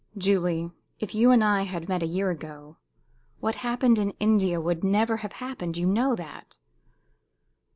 "Julie, if you and I had met a year ago, what happened in India would never have happened. You know that!"